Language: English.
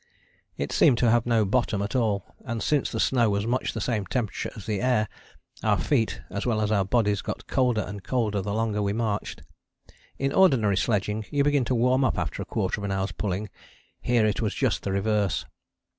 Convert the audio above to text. It seemed to have no bottom at all, and since the snow was much the same temperature as the air, our feet, as well as our bodies, got colder and colder the longer we marched: in ordinary sledging you begin to warm up after a quarter of an hour's pulling, here it was just the reverse.